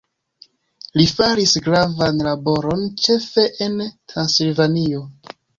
Li faris gravan laboron ĉefe en Transilvanio.